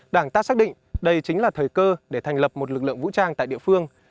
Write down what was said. đảng ta xác định đây chính là thời cơ để thành lập một lực lượng vũ trang tại địa phương